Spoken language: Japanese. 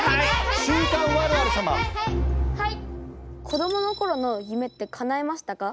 子どものころの夢ってかなえましたか？